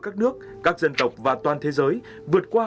các nước các dân tộc và toàn thế giới vượt qua